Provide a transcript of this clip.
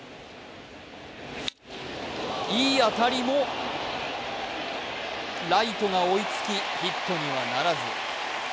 いい当たりもライトが追いつきヒットにはならず。